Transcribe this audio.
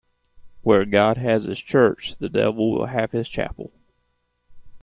Where God has his church, the devil will have his chapel.